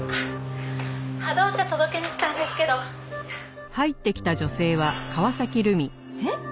「波動茶届けに来たんですけど」えっ？